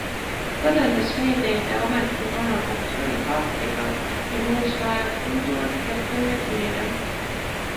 Võrreldes veeteede ameti vana patrullkaatriga on uus laev tunduvalt kergem ja kiirem.